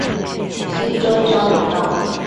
溪洲交流道